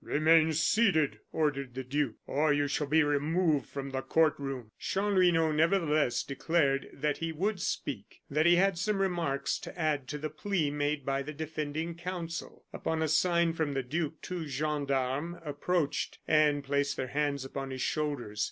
"Remain seated," ordered the duke, "or you shall be removed from the court room." Chanlouineau, nevertheless, declared that he would speak; that he had some remarks to add to the plea made by the defending counsel. Upon a sign from the duke, two gendarmes approached and placed their hands upon his shoulders.